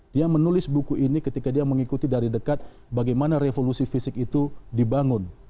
dia menulis buku ini ketika dia mengikuti dari dekat bagaimana revolusi fisik itu dibangun